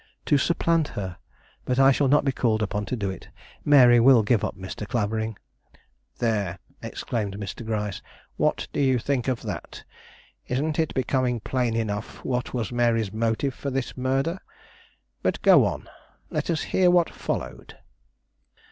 To supplant her! But I shall not be called upon to do it; Mary will give up Mr. Clavering." "There!" exclaimed Mr. Gryce. "What do you think of that? Isn't it becoming plain enough what was Mary's motive for this murder? But go on; let us hear what followed."